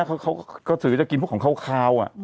กระสือกินพวกของเขาขาว